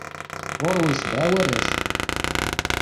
Ɣur-wen sebɛa warrac.